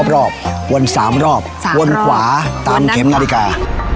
รอบวน๓รอบวนขวาตามเข็มนาฬิกา